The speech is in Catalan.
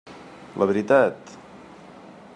La veritat?